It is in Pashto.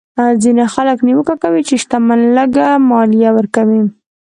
ځینې خلک نیوکه کوي چې شتمن لږه مالیه ورکوي.